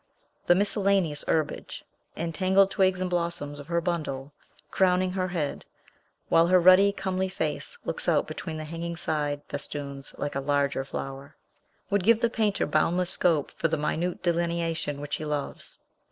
The miscellaneous herbage and tangled twigs and blossoms of her bundle, crowning her head (while her ruddy, comely face looks out between the hanging side festoons like a larger flower), would give the painter boundless scope for the minute delineation which he loves.